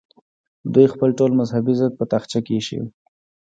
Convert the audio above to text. دوی خپل ټول مذهبي ضد په تاخچه کې ایښی وي.